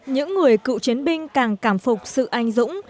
những người cựu chiến binh càng cảm phục sự anh dũng